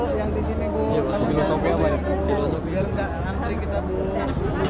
sebenarnya cewek saya apa